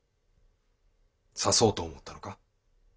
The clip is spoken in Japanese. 刺そうと思ったのか？